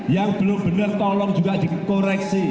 yang belum benar tolong juga dikoreksi